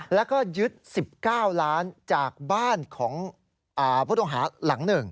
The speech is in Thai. แล้วก็ยึด๑๙ล้านจากบ้านของผู้ต้องหาหลัง๑